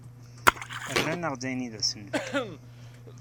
Rran-aɣ-d ayen i asen-nefka.